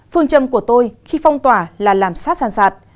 phương châm của tôi khi phong tỏa là làm sát sàn sạt